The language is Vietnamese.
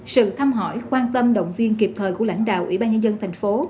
sự thăm hỏi quan tâm động viên kịp thời của lãnh đạo ủy ban nhân dân thành phố